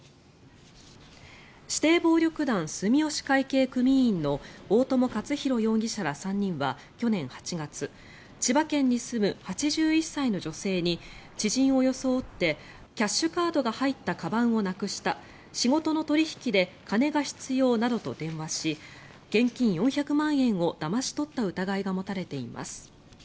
指定暴力団住吉会系組員の大友克洋容疑者ら３人は去年８月千葉県に住む８１歳の女性に知人を装ってキャッシュカードが入ったかばんをなくした仕事の取引で金が必要などと電話し現金４００万円をだまし取った疑いが持たれています。